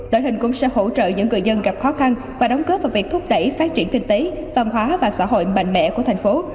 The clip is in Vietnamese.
đội hình cũng sẽ hỗ trợ những người dân gặp khó khăn và đóng góp vào việc thúc đẩy phát triển kinh tế văn hóa và xã hội mạnh mẽ của thành phố